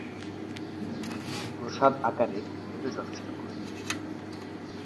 প্রসাদ আকারে এরও যথেষ্ট গুরুত্ব রয়েছে।